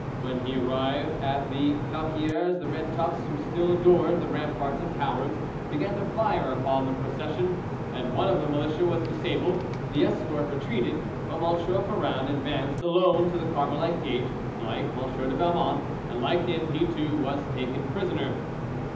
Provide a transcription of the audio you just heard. When he arrived at the Calquieres, the red tufts, who still adorned the ramparts and towers, began to fire upon the procession, and one of the militia was disabled; the escort retreated, but M. Ferrand advanced alone to the Carmelite Gate, like M. de Belmont, and like him, he too, was taken prisoner.